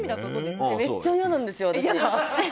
めっちゃ嫌なんですよ、私。